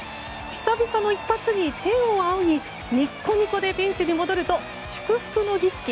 久々の一発に、天を仰ぎにっこにこでベンチに戻ると祝福の儀式。